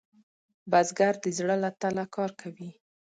بزګر د زړۀ له تله کار کوي